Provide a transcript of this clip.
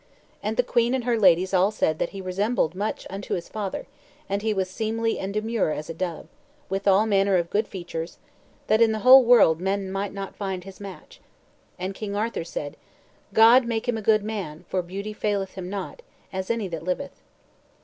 And the queen and her ladies all said that he resembled much unto his father; and he was seemly and demure as a dove, with all manner of good features, that in the whole world men might not find his match. And King Arthur said, "God make him a good man, for beauty faileth him not, as any that liveth."